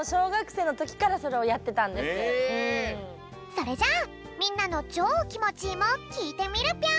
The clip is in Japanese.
それじゃあみんなの「チョーきもちいい」もきいてみるぴょん。